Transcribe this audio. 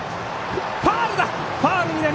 ファウルだ！